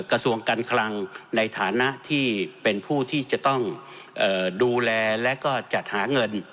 กระทรวงการคลังในฐานะที่เป็นผู้ที่จะต้องดูแลและก็จัดหาเงิน